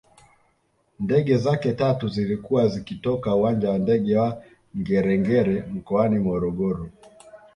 Ndege zake tatu zilikuwa zikitoka uwanja wa ndege wa Ngerengere mkoani Morogoro